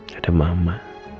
tidak ada mama